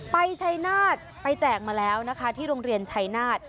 ชัยนาฏไปแจกมาแล้วนะคะที่โรงเรียนชัยนาฏ